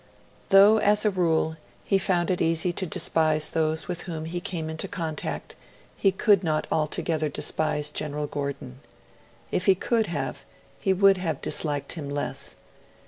Though, as a rule, he found it easy to despise those with whom he came into contact, he could not altogether despise General Gordon. If he could have, he would have disliked him less.